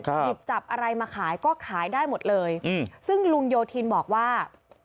หยิบจับอะไรมาขายก็ขายได้หมดเลยอืมซึ่งลุงโยธินบอกว่า